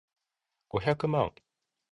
五百万